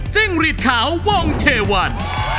จึงรีดข่าวว่องเทวัน